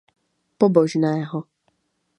Pobožného.